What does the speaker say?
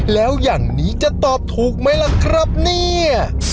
แล้วอย่างนี้จะตอบถูกไหมล่ะครับเนี่ย